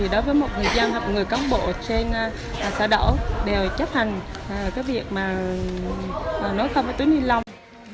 đối với một người giao hợp người các bộ trên xã đỗ đều chấp hành việc nối khăm với túi ni lông